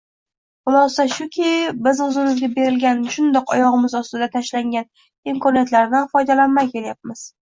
Xulosa shuki, biz o‘zimizga berilgan, shundoq oyog‘imiz ostiga tashlangan imkoniyatlardan foydalanmay kelyapmiz.